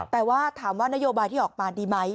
แต่ว่าถามว่านโยบายที่ออกมาดีไหม